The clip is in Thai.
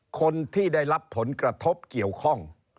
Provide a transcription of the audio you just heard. คนที่ได้รับผลกระทบเกี่ยวข้อง